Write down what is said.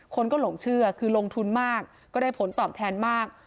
คนก็หลงเชื่อคือลงทุนมากก็ได้ผลตอบแทนมาก